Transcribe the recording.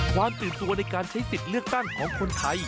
ความตื่นตัวในการใช้สิทธิ์เลือกตั้งของคนไทย